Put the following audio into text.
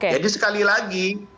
jadi sekali lagi